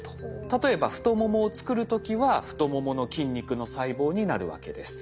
例えば太ももを作る時は太ももの筋肉の細胞になるわけです。